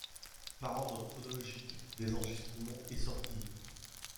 Par ordre chronologique des enregistrements et sorties.